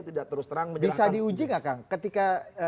tidak terus terang bisa diuji nggak kang ketika